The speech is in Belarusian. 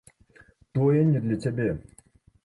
Тое не для цябе.